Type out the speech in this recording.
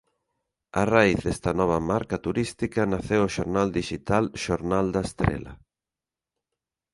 A raíz desta nova marca turística naceu o xornal dixital "Xornal da Estrela".